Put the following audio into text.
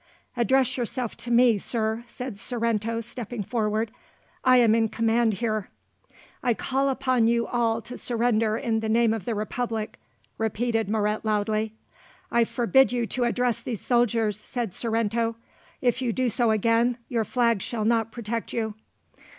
"Address yourself to me, Sir," said Sorrento stepping forward; "I am in command here." "I call upon you all to surrender in the name of the Republic," repeated Moret loudly. "I forbid you to address these soldiers," said Sorrento. "If you do so again, your flag shall not protect you."